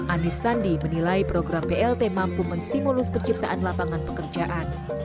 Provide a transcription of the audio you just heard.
anis sandi menilai program plt mampu menstimulus penciptaan lapangan pekerjaan